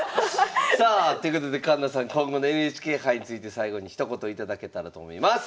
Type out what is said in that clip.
さあということで環那さん今後のＮＨＫ杯について最後にひと言頂けたらと思います！